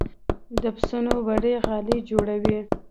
د پسونو وړۍ غالۍ جوړوي